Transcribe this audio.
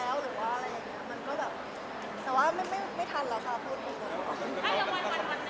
แบบคนในกรองเคยแอ้วไปแล้วกับคน